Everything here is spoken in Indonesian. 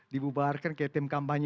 dibubarkan ke tim kampanye